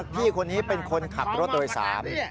พี่คนนี้เป็นคนขับรถโดยสาร